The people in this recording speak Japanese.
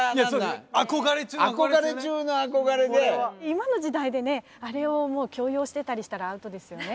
今の時代でねあれを強要してたりしたらアウトですよね。